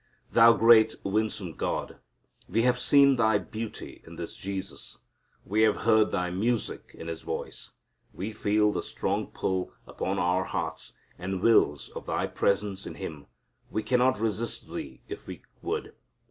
Thou great winsome God, we have seen Thy beauty in this Jesus. We have heard Thy music in His voice. We feel the strong pull upon our hearts and wills of Thy presence in Him. We cannot resist Thee if we would.